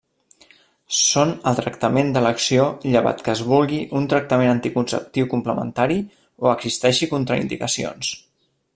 Són el tractament d'elecció llevat que es vulgui un tractament anticonceptiu complementari o existeixi contraindicacions.